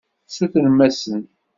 Sutrem-asen.